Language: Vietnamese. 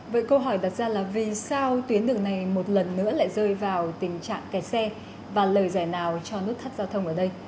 với câu hỏi đặt ra là vì sao tuyến đường này một lần nữa lại rơi vào tình trạng kẻ xe và lời giải nào cho nút thắt giao thông ở đây